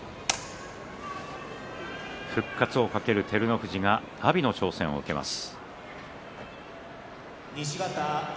復活を懸ける照ノ富士が阿炎の挑戦を受けます。